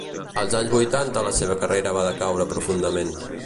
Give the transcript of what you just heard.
Als anys vuitanta la seva carrera va decaure profundament.